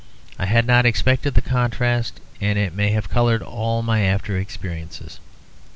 I had not expected the contrast; and it may have coloured all my after experiences.